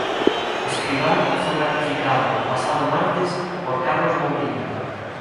Escribá foi ratificado o pasado martes por Carlos Mouriño.